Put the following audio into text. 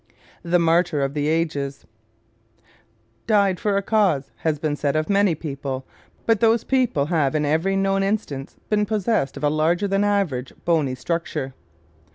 The Martyr of the Ages ¶ "Died for a cause" has been said of many people, but those people have in every known instance been possessed of a larger than average bony structure.